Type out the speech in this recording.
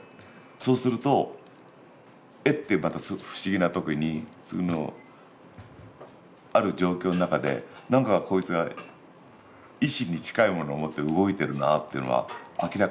そうすると「えっ」っていうまたすごく不思議な時にある状況の中で何かこいつが意思に近いものを持って動いてるなっていうのは明らかに分かるわけ。